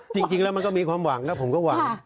จริงแล้วมันก็มีความหวังแล้วผมก็หวัง